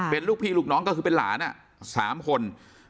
เป็นลูกพี่ลูกน้องก็คือเป็นหลาน๓คน